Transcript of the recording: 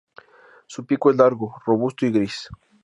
Su pico es largo, robusto y gris.